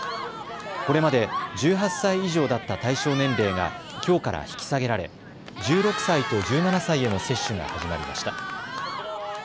これまで１８歳以上だった対象年齢がきょうから引き下げられ１６歳と１７歳への接種が始まりました。